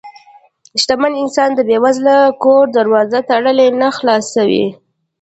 شتمن انسان د بې وزله کور دروازه تړي نه، خلاصوي یې.